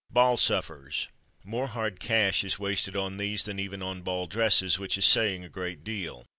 Ball Suppers. More hard cash is wasted on these than even on ball dresses, which is saying a great deal.